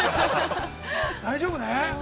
大丈夫ね？